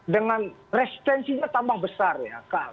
dengan resistensinya tambah besar ya